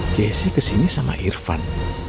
jessy kesini sama irfan